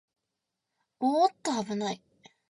おーっと、あぶないよー